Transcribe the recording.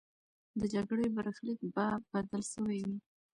د جګړې برخلیک به بدل سوی وي.